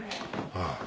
ああ。